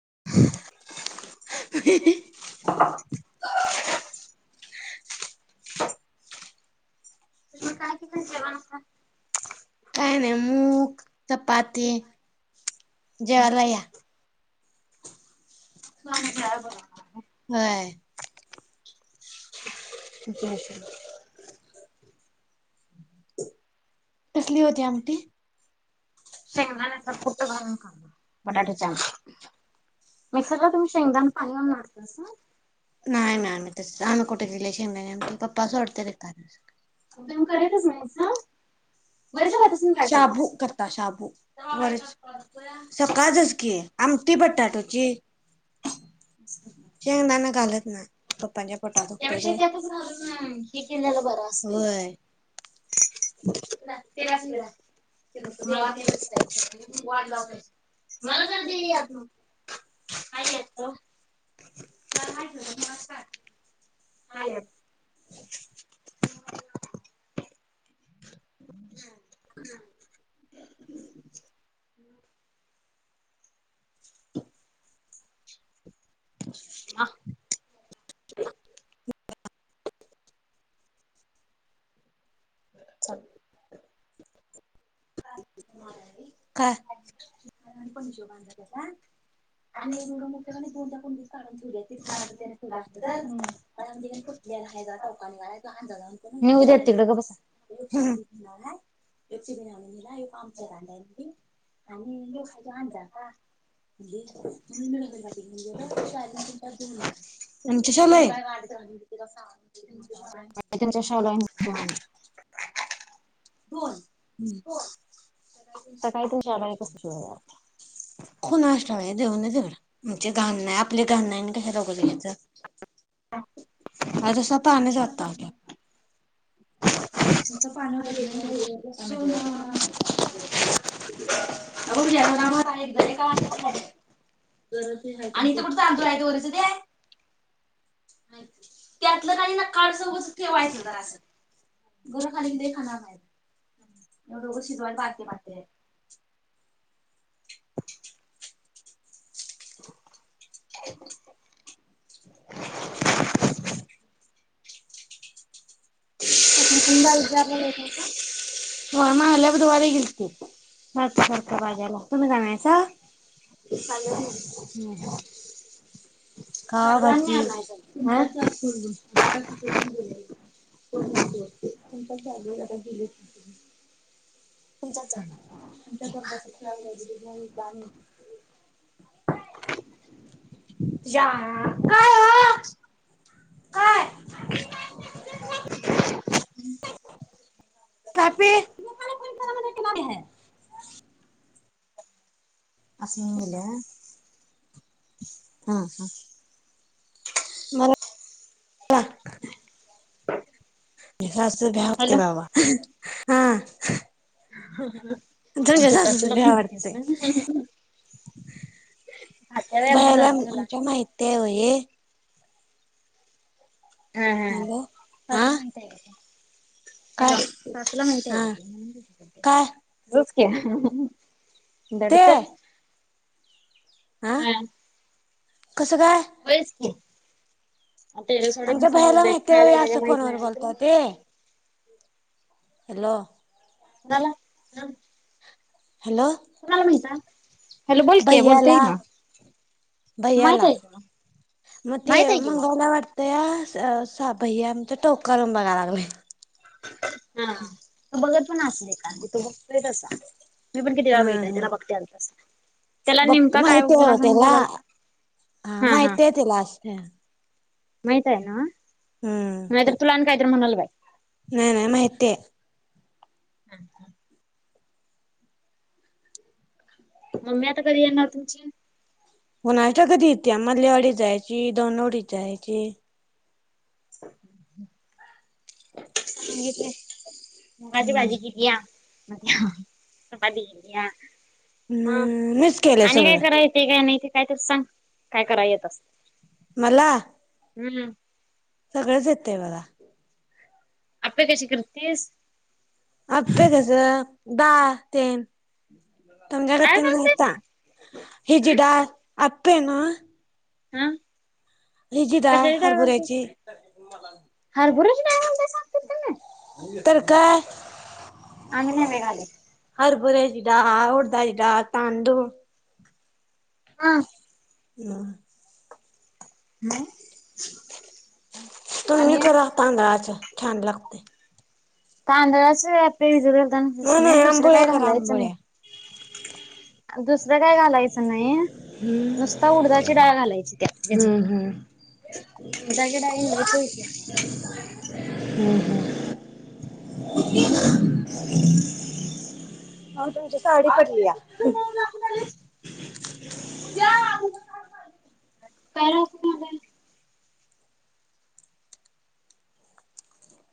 [unintelligible] [unintelligible] काय नाही मूग चपाती जेवायला या. व्हय. [unintelligible] कसली होती आमटी? शेंगदाण्याचा कुट घालून का. बटाट्याची नाही आमटी. मिक्सरला तुम्ही शेंगदाण पाणी घालून वाटतासा. नाही आम्ही तस आम्ही कुठ रिलेशन मध्ये आहे आमच पप्पा सोडत्यात येता जाता. तुम्ही करतच नाहीसा वरच्या भातासून काय करतासा [unintelligible] सकाळचच की आमटी बटाट ची शेंगदाण घालत नाही पप्पांच्या त्यापेक्षा पोटात त्यातच दुखतय घालून हे केलेलं बाई बरं असतंय ते. [unintelligible] होय [unintelligible] आमटी केलेल्या बरी, मला जरा दे यातलं. काय येत? [unintelligible] हाय. [inaudible] काय [unintelligible] नेऊ [unintelligible] देत तिकडं गप बसा मग हाय [unintelligible] [unintelligible] [unintelligible] बोल. हम्म. आता काय पण [unintelligible] कुणास ठाऊक आहे देऊनच एवढा घाण नाही आपली घाण नाही आणि कशाला उगच घ्यायच. [unintelligible] [unintelligible] सुन. ठीक आहे. अबकी एवढा भात [unintelligible] [unintelligible] [unintelligible] लय खाणार नाहीत, येवढ उगच शिजवायच बारक्या भांड्यात. [inaudible] [inaudible] [inaudible] [unintelligible] [unintelligible] बाई विचारलं पालक नाही का? होय, मागल्या बुधवारीे गेलती. सारकं सारकं बाजारला तुम्ही जाणार आहेसा. पार्लरला. खा परवा आणि भजी आणायचं. असं [unintelligible] [unintelligible] [unintelligible] या. [unintelligible] काय [unintelligible] कॅ [unintelligible] असंगल्या हा‌ हा. मला [inaudible] [inaudible] हे असं भ्या हॅलो वाटतंय बाबा. हा. तुमच्या आमच्या सासूच सासुला भ्या पण भितीस वाटते वय? [unintelligible] आमची भयाला सासु मला. आमच्या माहिती आहे होय हा हा हा. हॅलो हा सासू म्हणत्या [unintelligible] काय हॅलो! सासुला माहिती हा हाय काय ते? ते ते दडतंय हा व्हय कसं काय? वयच की. टेरेस वाल्याने आमच्या भैयाला समजलंय माहिती हाय खायला वय वगैरे असं माहित फोनवर नाही बोलता तुला ते? हॅलो! झाला [unintelligible] हॅलो कुणाला माहिताय? हॅलो! बोलकी, बोलता भैयाला येईना? माहित भैयाला हाय की मग? माहित हाय की मग. त्या या सा भैया आमचं टोकरून बघायला लागलंय. हां. बघत पण असल एकांदी तु बग [unintelligible] मी पण किती वेळा बघितलंय तिला बघतेलं तसं. बघतो माहिती आहे ओ त्यला. बोलाल हा माहिती हाय त्यला अस मैताय नवं? हम्म नाही तर तुला आणि काय? म्हणल बाय. नाही नाही माहिती हाय. हम् हम्. मम्मी आता कधी येणार तुमची? कुणास ठाऊक कधीे येत्या. मधली वाडीत जायची दोनवडीत जायची [unintelligible] मुगाची भाजी हम्म केली या. चपाती. [unintelligible] म मीच केलंय आणि काय सगळं करायचे [unintelligible] काय नाही ते. काय तर सांग. काय कराय येतस. [unintelligible] हम्म. सगळेच येतय मला. आप्पे कशी करतेस? दहा तेन. [unintelligible] तमच्या डाळ नता घालतेस हि हम्म जिडा आ [unintelligible] ते ना [inaudible] हा. हे जी डाळ कशाची हरभऱ्याची. घालतेस हरभऱ्याची डाळ घालतेस आमच्यात तुम्ही तरकाय आम्ही नाही बाई घालीत. [inaudible] हरभऱ्याची डाळ, उडदाची डाळ, तांदूळ हा. हम्म. [inaudible] तुम्ही आणि करा तांदळाच्या छान लागते. तांदळ असे. [unintelligible] नाही नाही [unintelligible] दुसरं आंबोळ्या काय करा घालायचं नाही आंबोळ्या दुस काय घालायचं नाही नुसता उडदाची डाळ घालायची त्या हम्म हम्म त्याच्यात उडदाची डाळ [unintelligible] हम्म हम्म. [unintelligible] म तुमची साडी पडली या. [unintelligible] [inaudible]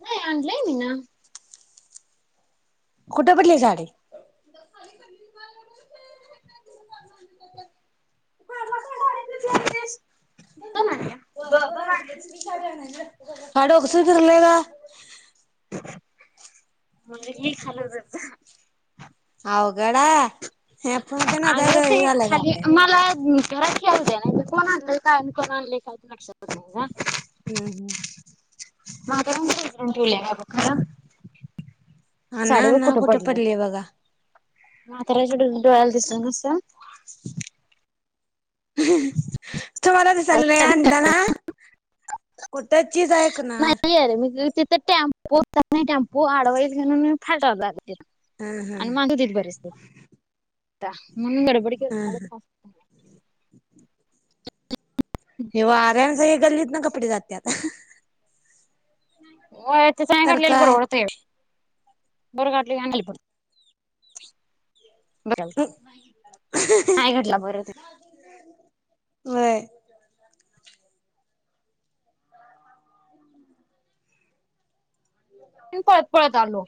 नाही आणलंय मी न. कुठे पडली साडी. [unintelligible] दोन आणल्या [unintelligible] म्हणजे मी खाली जाते. अवगड हाय. हे पण ते अग नादात ते हे झालंय का खाली आपण मला घरात खेळूद्या नायत कोण आणलंय काय ना कोण आणलंय काय लक्षातच नाय ग हुं हुं म आता [unintelligible] हा ना ना कुठ पडली बगा म्हाताराच्या डो डोळ्याला दिस नस तुम्हाला तर [unintelligible] आणलं ना कुठ चीज ऐकणार तर टॅम्पो होता की नाय टॅम्पो आडवा येईल म्हणून मी फाटावर आलो हा हा आणि हा माग ते बरसते म्हणून गडबड हा [unintelligible] हे वाऱ्यानं सगळी गल्लीतना कपडे जात्यात. व्हय तेच नाय तर घातलेलं काय परवडतय. वर घातलं की आणी खाली पडतयं डोक्याला ताप नाय घातला बरं ते व्हय पळत पळत आलो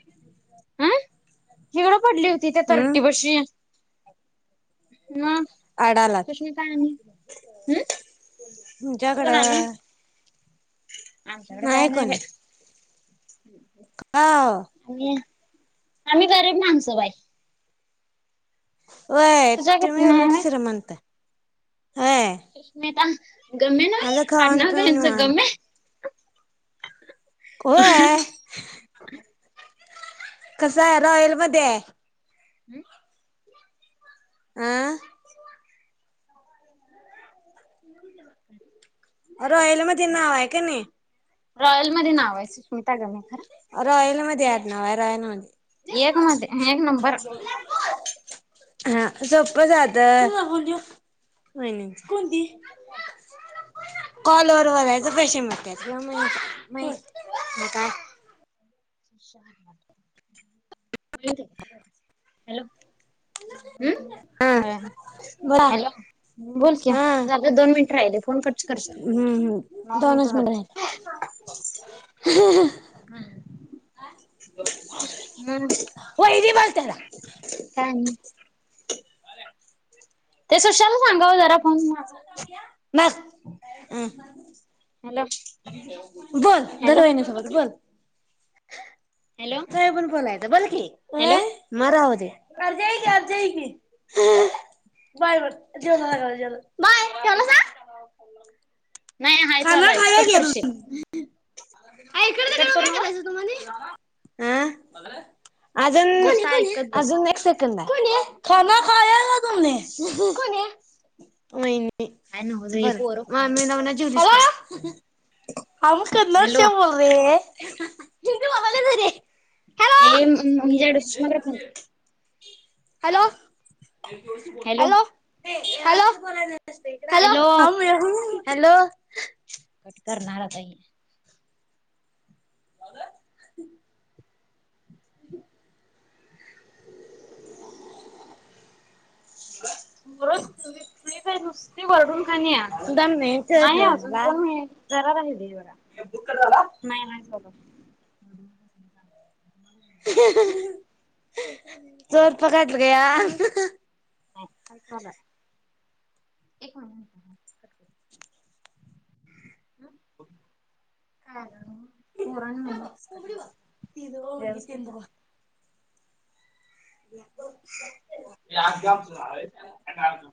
अं हिगडं पडली होती त्या हम्म तरट्टी पशी मं आडालात सुष्मिता आणि हम्म कोण आल तुमच्याकडं आमच्याकडं काय नाय बाय [unintelligible] आव आम्ही गरीब माणसं बाई व्हय तुझ्या तुम्ही किती नाही उलट बाई श्रीमंत व्हय गमेना माझं खाऊन आडनाव काय पिऊन ह्याच निवांत गमे [inaudible] कोय कस हाय रॉयल मध्ये हाय हं आ [inaudible] रॉयल मध्ये नाव हाय कणी? रॉयलमध्ये नाव आहे. स्मिता गणे खरं रॉयलमध्ये आडनाव आहे, रॉयल मध् एक मध्ये एक नंबर हा सोप्प जातं वयनिंच कोण ती? कॉलत. बोलायचं पैशे मिळतात. म काय? हॅलो. हा हम्, बोला हॅलो बोल की हा झाल दोन मिनट राहिले फोन कर हम्म हम् दोनच मिनिट राहिलेत. हम्. हम्, वहिनी बोल त्याला काय आणि. [inaudible] ते सशाला सांगावं जरा फोन मा [unintelligible] हम. हॅलो बोल, धर हॅलो वाहिनी सोबत बोल. हॅलो काय पण बोलायचं. [unintelligible] हॅलो होय म राहूदे [unintelligible] [unintelligible] बाय जेवलासा. नाही हाय चालू हाय कट करशील. हा इकड कट तीकड करू काय नको. करायचं तुम्हानी. हां. नुसतं अजून, ऐकत बस अजून एक सेकंद आहे. खाना खाया. कोण ये. वयनी. काय नव्हच हे बर पोरं मामी खुळ्यात वो. हम कन्नड हॅलो शव बोल र है. मामाला धरूया. हे मजाड स [unintelligible] हॅलो. हॅलो. हॅलो. हॅलो ह हॅलो रहू [unintelligible] हॅलो. कट करणारा आता ही. बर, नुसती वरडून. [unintelligible] दम चढ नाही अजून मला कोण नाही. जरा राहिलाय बगा. [unintelligible] झाला नाही नाही. [inaudible] [unintelligible] चोर पकड गया. [unintelligible] एक महिना [unintelligible] ह. [unintelligible] व्यवस्थित झालं. आठगाम [unintelligible]